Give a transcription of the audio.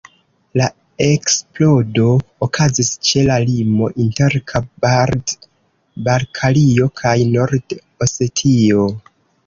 La eksplodo okazis ĉe la limo inter Kabard-Balkario kaj Nord-Osetio.